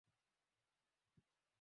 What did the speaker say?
hujambo popote pale ulipo na karibu